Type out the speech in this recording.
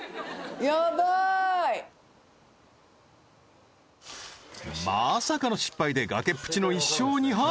やばいまさかの失敗で崖っぷちの１勝２敗